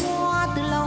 đôi lứa tình yêu